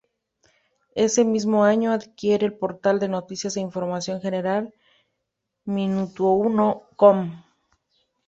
Ese mismo año, adquiere el portal de noticias e información general minutouno.com.